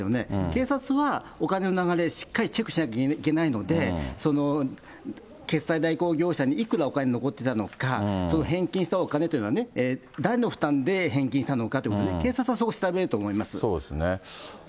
警察はお金の流れ、しっかりチェックしなきゃいけないので、決済代行業者にいくらお金残ってたのか、その返金したお金っていうのは、誰の負担で返金したのかってことね、そうですね。